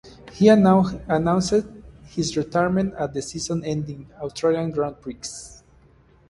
He announced his retirement at the season ending Australian Grand Prix.